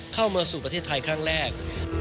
เข้ามาสู่ประเทศไทยครั้งแรก